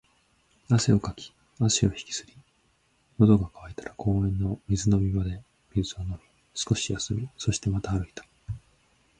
汗をかき、足を引きずり、喉が渇いたら公園の水飲み場で水を飲み、少し休み、そしてまた歩いた